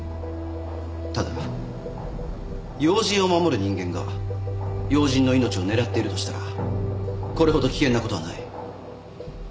ただ要人を守る人間が要人の命を狙っているとしたらこれほど危険なことはない。